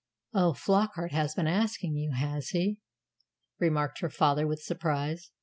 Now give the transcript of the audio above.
"Oh, Flockart has been asking you, has he?" remarked her father with surprise.